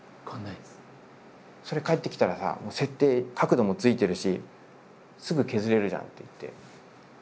「それ帰ってきたらさもう設定角度もついてるしすぐ削れるじゃん」って言って。